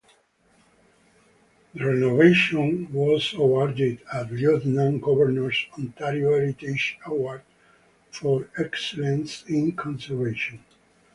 The renovation was awarded a Lieutenant Governor's Ontario Heritage Award for Excellence in Conservation.